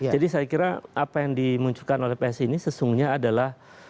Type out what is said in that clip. jadi saya kira apa yang dimunculkan oleh psi ini sesungguhnya adalah